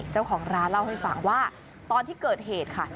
เจ้าของร้านเล่าให้ฟังว่าตอนที่เกิดเหตุค่ะ